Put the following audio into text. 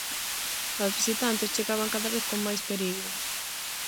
As visitantes chegaban cada vez con máis perigo.